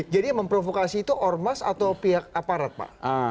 jadi memprovokasi itu ormas atau pihak aparat pak